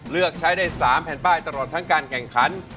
เลือกใช้ได้๓แผ่นป้ายตลอดทั้งการแข่งขัน